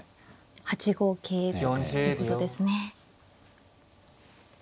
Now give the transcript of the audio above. ８五桂とかいうことですね。